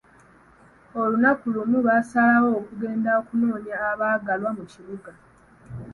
Olunaku lumu baasalawo okugenda okunoonya abaagalwa mu kibuga.